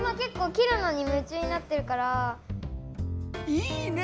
いいね！